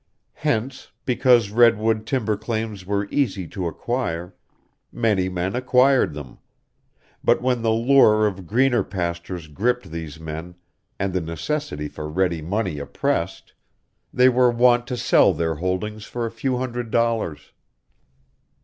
Hence, because redwood timber claims were easy to acquire, many men acquired them; but when the lure of greener pastures gripped these men and the necessity for ready money oppressed, they were wont to sell their holdings for a few hundred dollars.